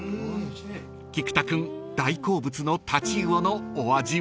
［菊田君大好物の太刀魚のお味は？］